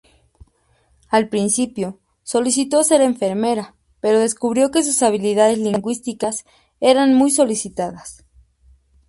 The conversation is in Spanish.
Al principio, solicitó ser enfermera, pero descubrió que sus habilidades lingüísticas eran muy solicitadas.